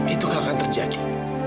itu gak akan terjadi